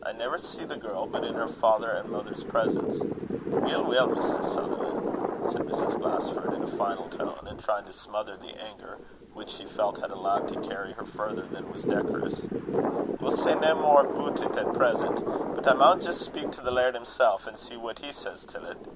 "I never see the girl but in her father and mother's presence." "Weel, weel, Mr. Sutherlan'," said Mrs. Glasford, in a final tone, and trying to smother the anger which she felt she had allowed to carry her further than was decorous, "we'll say nae mair aboot it at present; but I maun jist speak to the laird himsel', an' see what he says till 't."